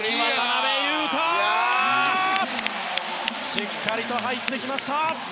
しっかりと入ってきました。